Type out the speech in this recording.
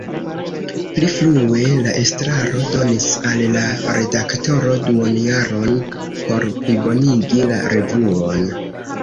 Pli frue la estraro donis al la redaktoro duonjaron por plibonigi la revuon.